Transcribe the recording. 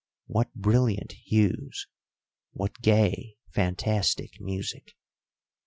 What brilliant hues, what gay, fantastic music!